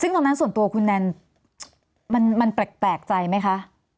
ซึ่งตอนนั้นส่วนตัวคุณแนนมันแปลกใจไหมคะ